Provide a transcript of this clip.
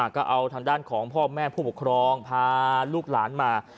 ก็เอาทางด้านของพ่อแม่ผู้ปกครองพาลูกหลานมา